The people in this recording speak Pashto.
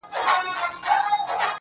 ستا خيال وفكر او يو څو خـــبـــري.